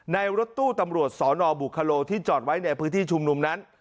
รถตู้ตำรวจสนบุคโลที่จอดไว้ในพื้นที่ชุมนุมนั้น